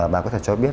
bà có thể cho biết